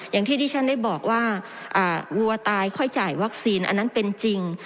อย่างที่ที่ฉันได้บอกว่าวัวตายค่อยจ่ายวัคซีนอันนั้นเป็นจริง